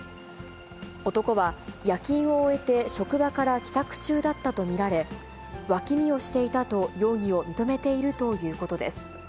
男は、夜勤を終えて職場から帰宅中だったと見られ、脇見をしていたと容疑を認めているということです。